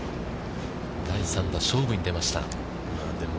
第３打で勝負に出ました。